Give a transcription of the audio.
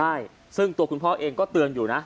ใช่ซึ่งตัวคุณพ่อเองก็เตือนอยู่นะ